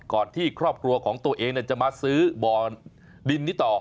ที่ครอบครัวของตัวเองจะมาซื้อบ่อดินนี้ต่อ